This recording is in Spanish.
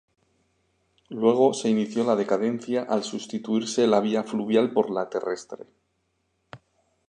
Luego se inició la decadencia al sustituirse la vía fluvial por la terrestre.